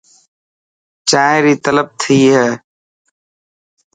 چائين ري طلب ٿي هي.